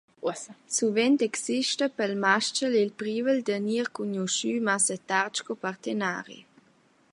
Suvent exista pel mas-chel il privel da gnir cugnuschü massa tard sco partenari.